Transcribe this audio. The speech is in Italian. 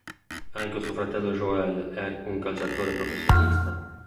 Anche suo fratello Joel è un calciatore professionista.